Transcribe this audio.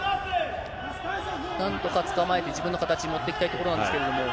なんとかつかまえて、自分の形に持っていきたいところなんですけ